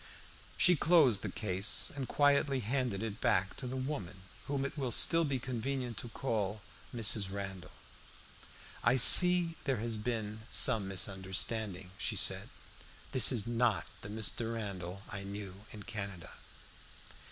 She closed the case and quietly handed it back to the woman, whom it will still be convenient to call Mrs. Randall. "I see there has been some misunderstanding," she said. "This is not the Mr. Randall I knew in Canada."